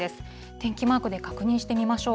天気マークで確認してみましょう。